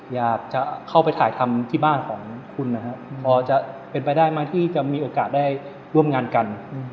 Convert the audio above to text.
อยากจะเข้าไปถ่ายทำที่บ้านของคุณนะครับพอจะเป็นไปได้ไหมที่จะมีโอกาสได้ร่วมงานกัน